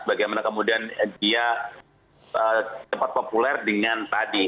bagaimana kemudian dia cepat populer dengan tadi